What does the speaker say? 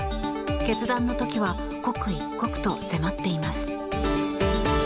決断の時は刻一刻と迫っています。